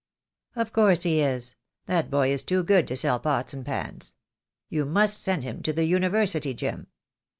"Of course he is; that boy is too good to sell pots and pans. You must, send him to the University, Jim."